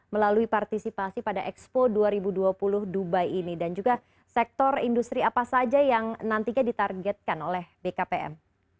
melalui partisipasi pada expo dua ribu dua puluh dubai ini dan juga sektor industri apa saja yang nantinya ditargetkan oleh bkpm